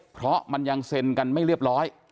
เพราะมันยังเซ็นกันไม่เรียบร้อย